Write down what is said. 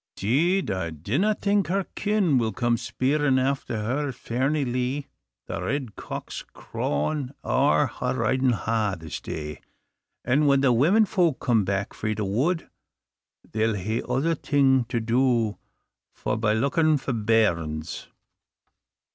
"'Deed, I dinna think her kin will come speering* after her at Fairnilee. The Red Cock's crawing ower Hardriding Ha' this day, and when the womenfolk come back frae the wood, they'll hae other thing to do for bye looking for bairns." * Asking.